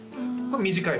これ短い方？